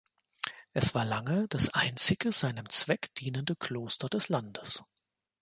Es war lange das einzige seinem Zweck dienende Kloster des Landes.